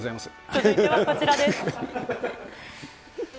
続いてはこちらです。